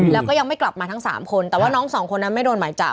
แล้วก็ยังไม่กลับมาทั้ง๓คนแต่ว่าน้องสองคนนั้นไม่โดนหมายจับ